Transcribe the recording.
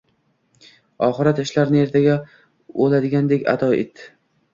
oxirat ishlarini ertaga o'ladigandek ado et!»